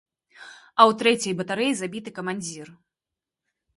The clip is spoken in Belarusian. А ў трэцяй батарэі забіты камандзір.